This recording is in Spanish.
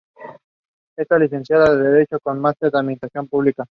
Está licenciada en Derecho, con máster en Administración pública.